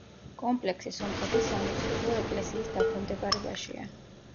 კომპლექსი სომხეთის სამოციქულო ეკლესიის დაქვემდებარებაშია.